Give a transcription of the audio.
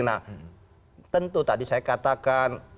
nah tentu tadi saya katakan